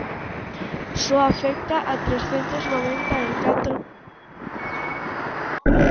Só afecta a trescentas noventa e catro.